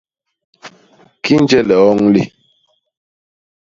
Kinje lioñ li!